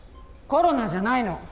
コロナじゃないの。